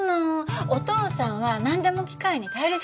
お父さんは何でも機械に頼り過ぎなの。